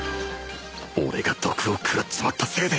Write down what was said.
俺が毒を食らっちまったせいで